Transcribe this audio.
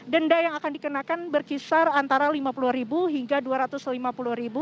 denda yang akan dikenakan berkisar antara rp lima puluh hingga rp dua ratus lima puluh